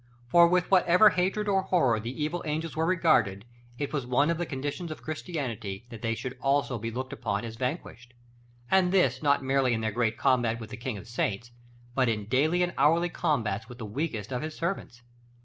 For with whatever hatred or horror the evil angels were regarded, it was one of the conditions of Christianity that they should also be looked upon as vanquished; and this not merely in their great combat with the King of Saints, but in daily and hourly combats with the weakest of His servants.